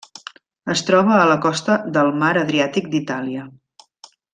Es troba a la costa del Mar Adriàtic d'Itàlia.